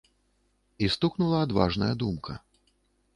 І стукнула адважная думка.